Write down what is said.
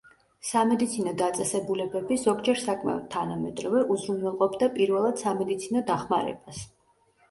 სამედიცინო დაწესებულებები, ზოგჯერ საკმაოდ თანამედროვე, უზრუნველყოფდა პირველად სამედიცინო დახმარებას.